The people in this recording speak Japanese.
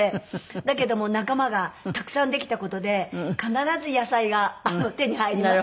だけども仲間がたくさんできた事で必ず野菜が手に入ります。